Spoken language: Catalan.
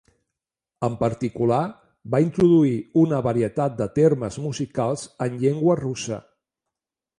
En particular, va introduir una varietat de termes musicals en llengua russa.